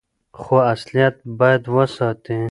خو اصليت بايد وساتي.